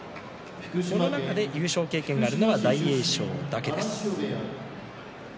この中で優勝経験があるのは大栄翔だけです。